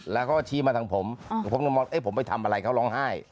แล้วเขาก็ชี้มาทางผมผมไปทำอะไรเขาร้องไห้